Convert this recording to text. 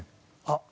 あっ。